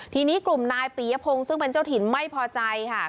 ทีนี้กลุ่มนายปียพงศ์ซึ่งเป็นเจ้าถิ่นไม่พอใจค่ะ